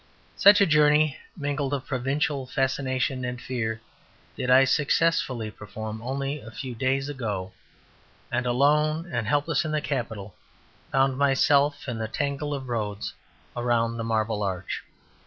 Such a journey, mingled of provincial fascination and fear, did I successfully perform only a few days ago; and alone and helpless in the capital, found myself in the tangle of roads around the Marble Arch.